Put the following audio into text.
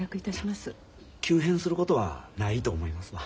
急変することはないと思いますわ。